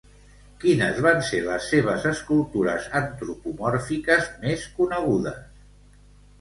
Quines van ser les seves escultures antropomòrfiques més conegudes?